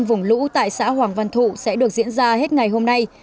vùng lũ tại xã hoàng văn thụ sẽ được diễn ra hết ngày hôm nay